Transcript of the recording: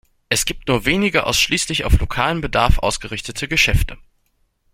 Es gibt nur wenige, ausschließlich auf lokalen Bedarf ausgerichtete Geschäfte.